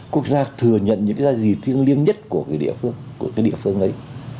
quốc gia thừa nhận những cái giá trị thiêng lương nhất của cái địa phương ấy